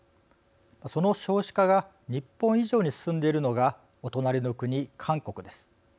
その少子化が日本以上に進んでいるのがお隣の国韓国です。